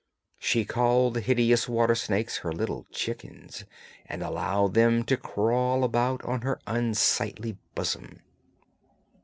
She called the hideous water snakes her little chickens, and allowed them to crawl about on her unsightly bosom.